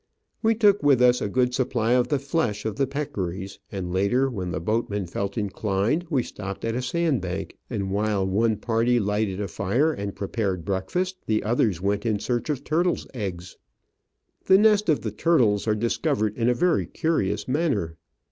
We took with us a good supply of the flesh of the peccaries, and later, w^hen the boatmen felt inclined, we stopped at a sand bank, and while one party lighted a fire and prepared breakfast, the others went in search of turtles' eggs. The nests of the turtles are discovered in a very curious manner.